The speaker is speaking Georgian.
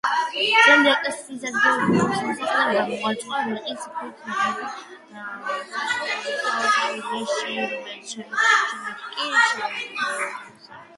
ძველი ეკლესიის ადგილას მოსახლეობამ მოაწყო რიყის ქვით ნაგები სალოცავი ნიში, რომელიც შემდეგ კი შეულესავთ.